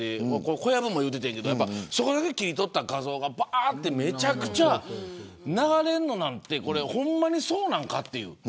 小籔も言うてたけどそこだけ切り取った画像がめちゃくちゃ流れるのなんてほんまにそうなのかという。